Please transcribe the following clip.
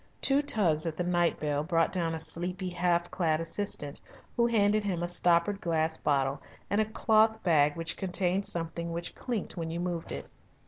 Two tugs at the night bell brought down a sleepy, half clad assistant, who handed him a stoppered glass bottle and a cloth bag which contained something which clinked when you moved it.